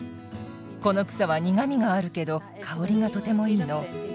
この草は苦みがあるけど香りがとてもいいの。